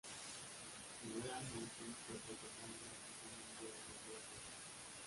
Generalmente, cuenta con mangas y tiene un vuelo menor que la capa.